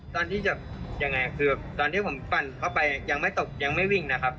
ตอนที่จะยังไงคือตอนที่ผมปั่นเข้าไปยังไม่ตกยังไม่วิ่งนะครับ